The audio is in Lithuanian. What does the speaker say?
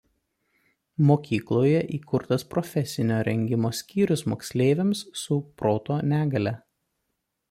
Mokykloje įkurtas profesinio rengimo skyrius moksleiviams su proto negalia.